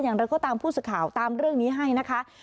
อย่างไรก็ตามผู้สื่อข่าวตามเรื่องนี้ให้นะคะ